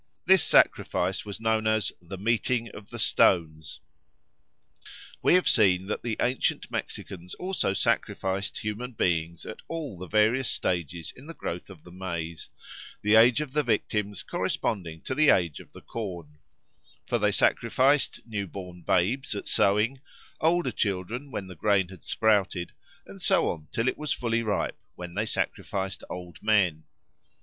This sacrifice was known as "the meeting of the stones." We have seen that the ancient Mexicans also sacrificed human beings at all the various stages in the growth of the maize, the age of the victims corresponding to the age of the corn; for they sacrificed new born babes at sowing, older children when the grain had sprouted, and so on till it was fully ripe, when they sacrificed old men.